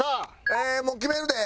もう決めるで。